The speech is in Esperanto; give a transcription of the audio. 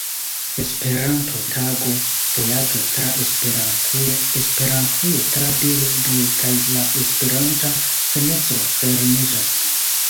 Esperanto-Tago, Vojaĝo tra Esperantujo, Esperantujo tra bildoj kaj La Esperanta fenestro fermiĝas.